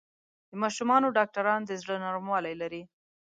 د ماشومانو ډاکټران د زړۀ نرموالی لري.